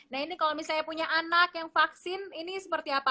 nah ini kalau misalnya punya anak yang vaksin ini seperti apa